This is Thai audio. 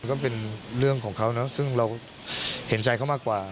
ก็เป็นเรื่องของเขานะซึ่งเราเห็นใจเขามากกว่า